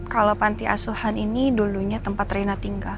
kalau panti asuhan ini dulunya tempat rina tinggal